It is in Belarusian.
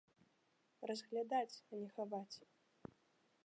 Разглядаць, а не хаваць!